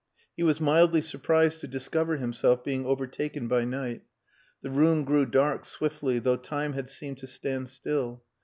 He was mildly surprised to discover himself being overtaken by night. The room grew dark swiftly though time had seemed to stand still.